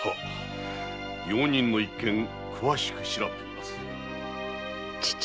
用人の一件詳しく調べてみます。